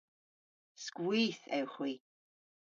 Skwith ewgh hwi.